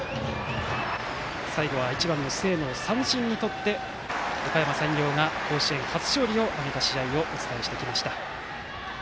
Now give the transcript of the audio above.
最後は１番の清野を三振にとっておかやま山陽が甲子園初勝利を挙げた試合をお伝えしてきました。